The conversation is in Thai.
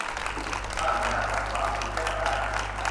สามีอาจหมดความตื่นเต้นเอาได้